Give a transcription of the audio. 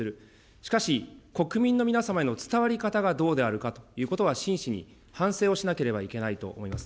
しかし、国民の皆様への伝わり方がどうであるかということは、真摯に反省をしなければいけないと思います。